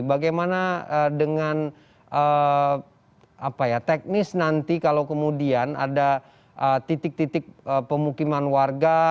bagaimana dengan teknis nanti kalau kemudian ada titik titik pemukiman warga